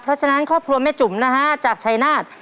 เพราะฉะนั้นครอบครัวแม่จุ๋มนะฮะจากชายนาฏ